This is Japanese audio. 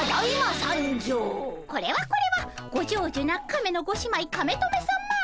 これはこれはご長寿な亀のご姉妹カメトメさま。